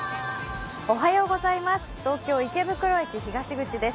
東京・池袋駅東口です。